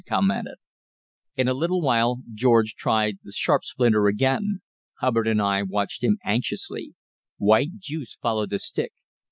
I commented. In a little while George tried the sharp splinter again. Hubbard and I watched him anxiously. White juice followed the stick.